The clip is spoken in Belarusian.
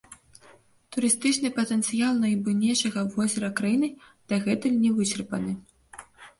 Турыстычны патэнцыял найбуйнейшага возера краіны дагэтуль не вычарпаны.